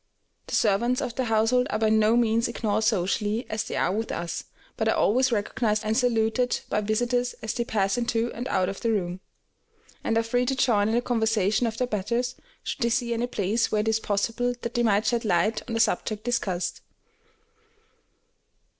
The servants of the household are by no means ignored socially, as they are with us, but are always recognized and saluted by visitors as they pass into and out of the room, and are free to join in the conversation of their betters, should they see any place where it is possible that they may shed light on the subject discussed.